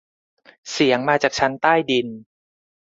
เสียงมาจากชั้นใต้ดิน